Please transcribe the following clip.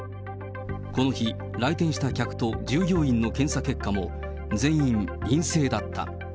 この日、来店した客と従業員の検査結果も全員陰性だった。